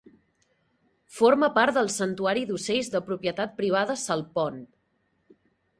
Forma part del santuari d'ocells de propietat privada Salt Pond.